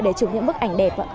để chụp những bức ảnh đẹp